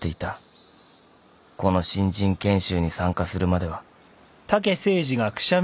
［この新人研修に参加するまでは］